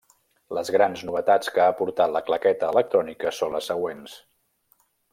Les grans novetats que ha portat la claqueta electrònica són les següents.